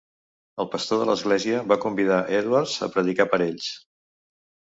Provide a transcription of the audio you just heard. El pastor de l'església va convidar Edwards a predicar per a ells.